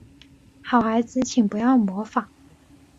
好孩子请不要模仿